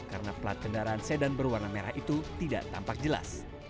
karena plat kendaraan sedan berwarna merah itu tidak tampak jelas